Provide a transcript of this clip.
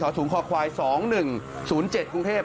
สูงคอควาย๒๑๐๗กรุงเทพฯ